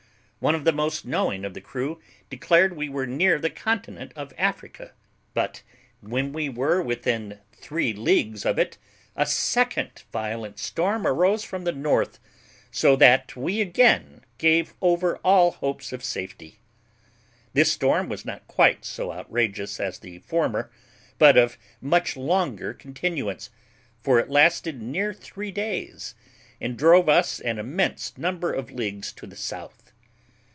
One of the most knowing of the crew declared we were near the continent of Africa; but when we were within three leagues of it a second violent storm arose from the north, so that we again gave over all hopes of safety. This storm was not quite so outrageous as the former, but of much longer continuance, for it lasted near three days, and drove us an immense number of leagues to the south.